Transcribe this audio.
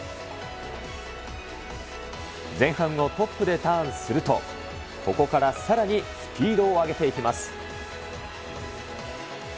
前半をトップでターンすると、ここからさらにスピードを上げていきます。